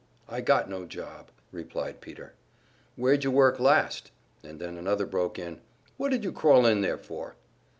"I got no job," replied Peter. "Where'd you work last?" And then another broke in, "What did you crawl in there for?"